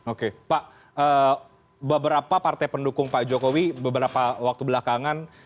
oke pak beberapa partai pendukung pak jokowi beberapa waktu belakangan